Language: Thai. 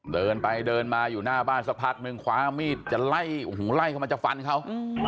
เดินไปเดินมาอยู่หน้าบ้านสักพักนึงคว้ามีดจะไล่โอ้โหไล่เข้ามาจะฟันเขา